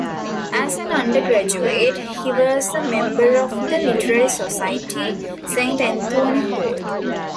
As an undergraduate he was a member of the literary society, Saint Anthony Hall.